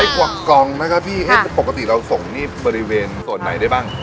๑๐๐กว่ากล่องปกติเราส่งยกทางบริเวณส่วนไหนได้บ้าง